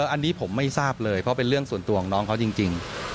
อันนี้ผมไม่ทราบเลยเพราะเป็นเรื่องส่วนตัวของน้องเขาจริง